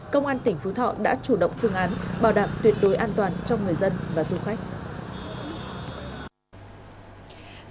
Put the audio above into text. công an tỉnh phú thọ đã chủ động phương án bảo đảm tuyệt đối an toàn cho người dân và du khách